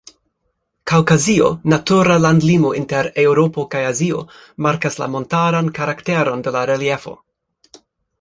Kaŭkazio, natura landlimo inter Eŭropo kaj Azio, markas la montaran karakteron de la reliefo.